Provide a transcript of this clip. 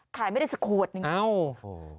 ขายไม่ได้สักขวดหนึ่ง